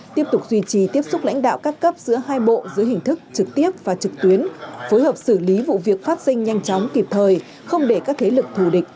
tiếp tục duy trì tiếp xúc lãnh đạo các cấp giữa hai bộ dưới hình thức trực tiếp và trực tuyến phối hợp xử lý vụ việc phát sinh nhanh chóng kịp thời không để các thế lực thù địch